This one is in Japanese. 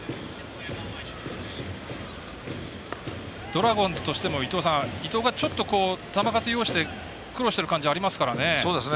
ドラゴンズとしても伊藤がちょっと球数要して苦労してる感じありますね。